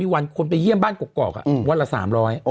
มีวันคนไปเยี่ยมบ้านกรกกรอกวันละ๓๐๐